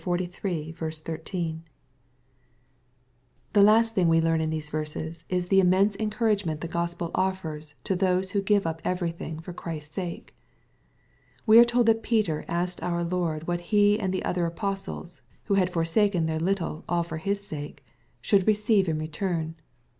13.) The last thing that we learn in these verses, is tkti 244 EXPOSITORT THOUGHTS. immense encouragement the Chspd offers to those who give up everything for Chrisfs sake. We are told that Peter asked our Lord what he and the other apostles, who had forsaken their little all for His sake, should receive in return.